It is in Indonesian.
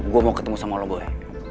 gue mau ketemu sama lo gue